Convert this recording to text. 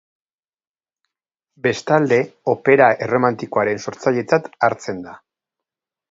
Bestalde, opera erromantikoaren sortzailetzat hartzen da.